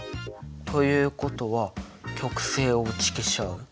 ということは極性を打ち消し合う？